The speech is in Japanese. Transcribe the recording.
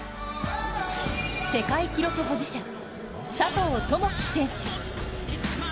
世界記録保持者・佐藤友祈選手。